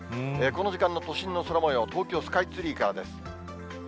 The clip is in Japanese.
この時間の都心の空もよう、東京スカイツリーからです。